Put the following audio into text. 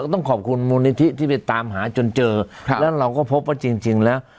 ต้องขอบคุณมูลนิธิที่ไปตามหาจนเจอครับแล้วเราก็พบว่าจริงแล้ว